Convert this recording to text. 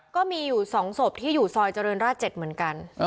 ก็มีอยู่๒ศพที่อยู่ซอยเจริญราช๗เหมือนกัน